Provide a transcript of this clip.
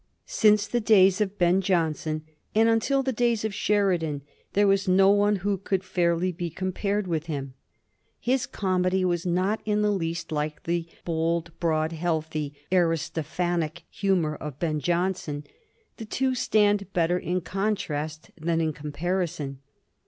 Since the days of Ben Jonson and until the days of Sheridan there was no one who could fairly be compared with him. His comedy was not in the least like the bold, broad, healthy, Aris tophanic humour of Ben Jonson ; the two stand better in contrast than in comparison.